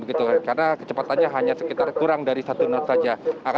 karena kecepatannya hanya sekitar kurang dari satu knot saja